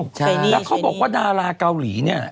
ละเขาบอกว่าดาราเกาหลีเนี่ย